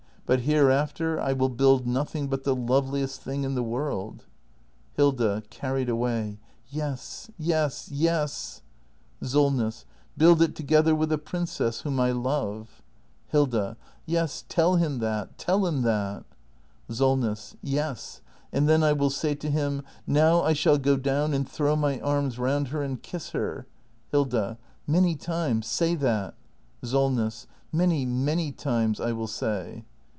But hereafter I will build nothing but the loveliest thing in the world Hilda. [Carried away.] Yes — yes — yes! Solness. — build it together with a princess, whom I love act in] THE MASTER BUILDER 429 Hilda. Yes, tell him that! Tell him that! SOLNESS. Yes. And then I will say to him: Now I shall go down and throw my arms round her and kiss her Hilda. — many times! Say that! Solness. — many, many times, I will say!